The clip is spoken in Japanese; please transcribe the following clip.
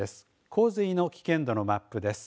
洪水の危険度のマップです。